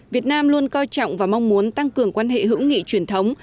việt nam luôn coi trọng và mong muốn tăng cường quan hệ hữu nghị truyền thống